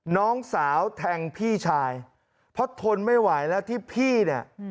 น้องสาวแทงพี่ชายเพราะทนไม่ไหวแล้วที่พี่เนี่ย